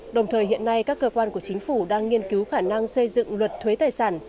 đồng thời hiện nay các cơ quan của chính phủ đang nghiên cứu khả năng xây dựng luật thuế tài sản